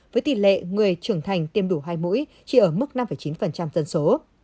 với tỷ lệ người trưởng thành tiêm đủ hai mũi chỉ ở mức năm chín dân số